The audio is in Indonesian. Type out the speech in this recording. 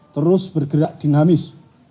terus bergerak dinamis